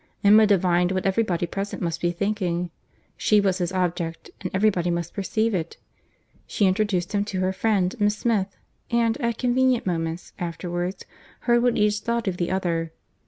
Emma divined what every body present must be thinking. She was his object, and every body must perceive it. She introduced him to her friend, Miss Smith, and, at convenient moments afterwards, heard what each thought of the other.